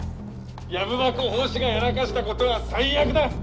藪箱法師がやらかしたことは最悪だッ！